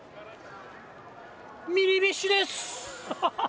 ミニビッシュです。